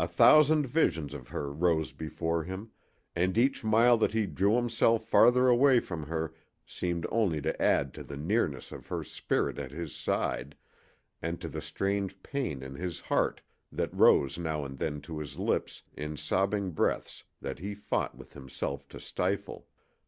A thousand visions of her rose before him, and each mile that he drew himself farther away from her seemed only to add to the nearness of her spirit at his side and to the strange pain in his heart that rose now and then to his lips in sobbing breaths that he fought with himself to stifle.